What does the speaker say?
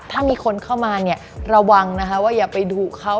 ถ้ามีคนเข้ามาเนี่ยระวังนะคะว่าอย่าไปดูเขา